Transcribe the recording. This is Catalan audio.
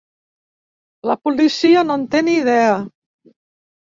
La policia no en té ni idea.